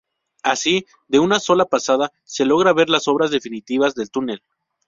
Así, de en una sola pasada, se logra ver las obras definitivas del túnel.